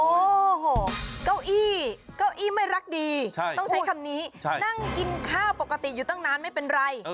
โอ้โหเก้าอี้เก้าอี้ไม่รักดีต้องใช้คำนี้นั่งกินข้าวปกติอยู่ตั้งนานไม่เป็นไร